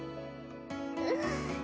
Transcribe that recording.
うん。